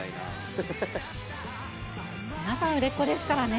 皆さん、売れっ子ですからね。